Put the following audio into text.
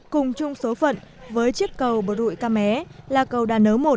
cùng chung số phận với chiếc cầu bờ rụi ca mé là cầu đà nớ một